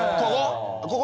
ここ？